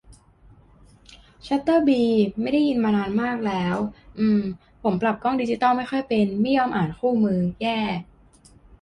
ชัตเตอร์บี ไม่ได้ยินมานานมากแล้ว อืม ผมปรับกล้องดิจิทัลไม่ค่อยเป็น ไม่ยอมอ่านคู่มือ แย่